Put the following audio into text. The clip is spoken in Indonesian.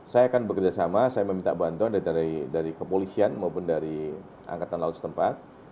saya akan bekerjasama saya meminta bantuan dari kepolisian maupun dari angkatan laut setempat